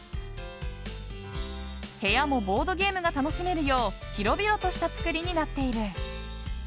部屋もボードゲームが楽しめるよう広々とした造りになっている。